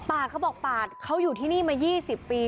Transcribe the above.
เขาบอกปาดเขาอยู่ที่นี่มา๒๐ปี